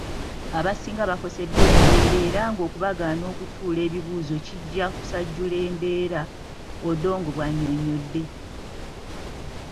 "Abasinga bakoseddwa embeera era ng'okubagaana okutuula ebibuuzo kijja kusajjula mbeera," Odongo bw'annyonnyodde.